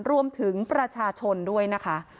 รวมถึงประชาชนด้วยนะคะ